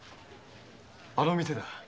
あの店だ。